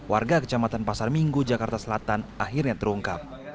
warga kecamatan pasar minggu jakarta selatan akhirnya terungkap